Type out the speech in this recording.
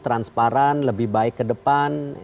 transparan lebih baik ke depan